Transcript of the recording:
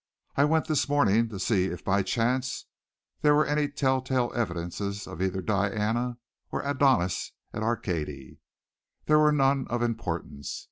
"I went this morning to see if by chance there were any tell tale evidences of either Diana or Adonis in Arcady. There were none of importance.